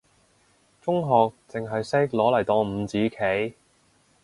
中學淨係識攞嚟當五子棋，